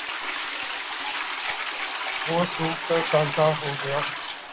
وہ سوکھ کر کانٹا ہو گیا ہے